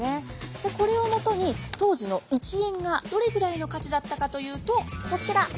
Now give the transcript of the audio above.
これをもとに当時の１円がどれぐらいの価値だったかというとこちら！